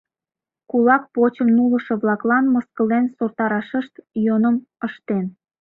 Кулак почым нулышо-влаклан мыскылен сотарашышт йӧным ыштен.